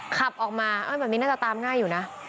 ขับออกมาแบบนี้น่าจะตามง่ายอยู่นะ